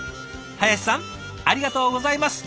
林さんありがとうございます！